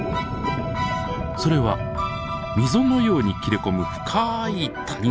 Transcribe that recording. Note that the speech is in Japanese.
それは溝のように切れ込む深い谷の底にあります。